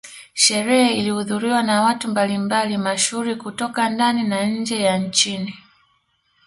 Sherehe ilihudhuriwa na watu mbali mbali mashuhuri kutoka ndani na nje ya nchini